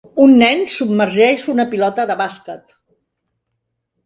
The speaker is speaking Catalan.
Un nen submergeix una pilota de bàsquet.